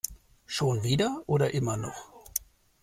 Schon wieder oder immer noch?